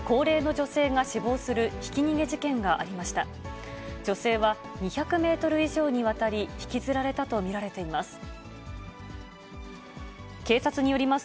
女性は２００メートル以上にわたりひきずられたと見られています。